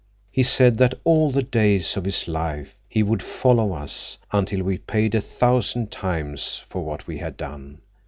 He said that all the days of his life he would follow us, until we paid a thousand times for what we had done.